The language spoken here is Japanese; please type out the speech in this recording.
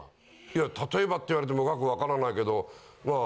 いや例えばって言われても額分からないけどまあ